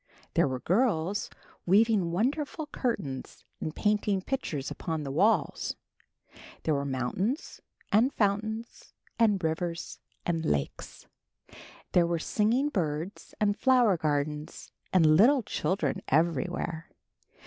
There were girls weaving wonderful curtains and painting pictures upon the walls. There were mountains and fountains, and rivers and lakes. There were singing birds and flower gardens, and little children everywhere.